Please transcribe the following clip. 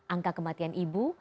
angka kematian ibu